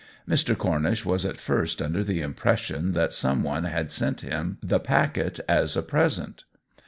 Mr. Cornish was at first under the impression that some one had sent him the packet as a present.